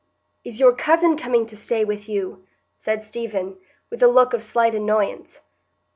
is your cousin coming to stay with you?" said Stephen, with a look of slight annoyance.